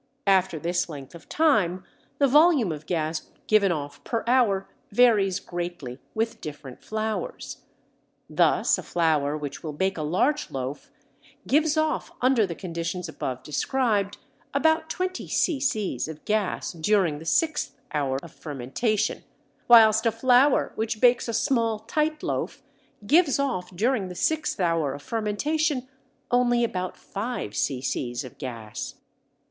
After this length of time the volume of gas given off per hour varies greatly with different flours. Thus a flour which will bake a large loaf gives off under the conditions above described about 20 c.c. of gas during the sixth hour of fermentation, whilst a flour which bakes a small tight loaf gives off during the sixth hour of fermentation only about 5 c.c. of gas.